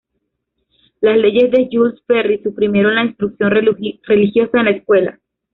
Las leyes de Jules Ferry suprimieron la instrucción religiosa en la escuela.